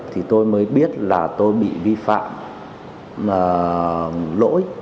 thì tôi mới biết là tôi bị vi phạm mà lỗi